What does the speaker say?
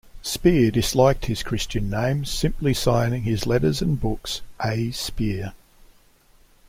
Spir disliked his Christian name, simply signing his letters and books "A. Spir".